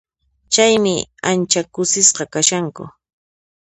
Chaymi ancha kusisqa kashanku.